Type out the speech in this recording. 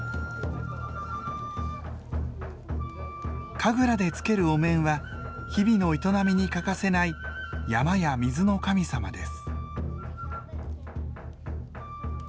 神楽でつけるお面は日々の営みに欠かせない山や水の神様です。